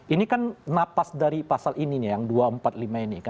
ini kan napas dari pasal ini nih yang dua ratus empat puluh lima ini